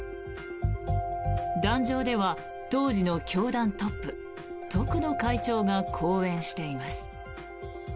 壇上では当時の教団トップ徳野会長が講演しています。